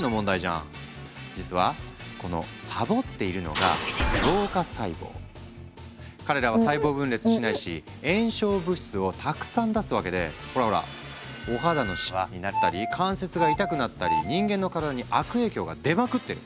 実はこのサボっているのが彼らは細胞分裂しないし炎症物質をたくさん出すわけでほらほらお肌のシワになったり関節が痛くなったり人間の体に悪影響が出まくってる。